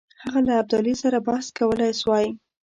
هغه له ابدالي سره بحث کولای سوای.